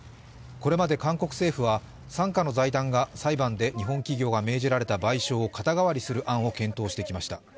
これまで韓国政府は傘下の財団が裁判で日本企業が命じられた賠償を肩代わりする案を検討してきました。